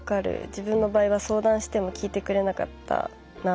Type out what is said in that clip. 自分の場合は相談しても聞いてくれなかったな。